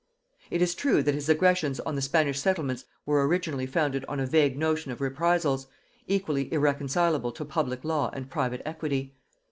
It is true that his aggressions on the Spanish settlements were originally founded on a vague notion of reprisals, equally irreconcilable to public law and private equity.